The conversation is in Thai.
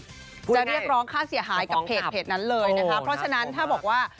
จะเรียกร้องค่าเสียหายกับเพจนั้นเลยนะคะเพราะฉะนั้นถ้าบอกว่า